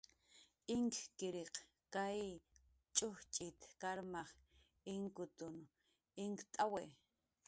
Inkkiriq kay ch'ujchit karmaj inkutn inkt'awi.